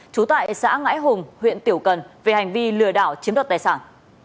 trú tại xã ngãi hùng huyện tiểu cần về hành vi lừa đảo chiếm đoạt tài sản